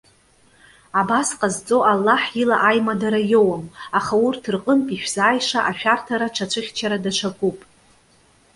Абас ҟазҵо Аллаҳ ила аимадара иоуам. Аха урҭ рҟынтә ишәзааиша ашәарҭара аҽацәыхьчара даҽакуп.